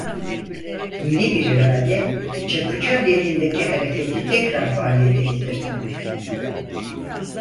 Yeni bir irade, Çakıcı aleyhindeki hareketi tekrar faaliyete getirtti.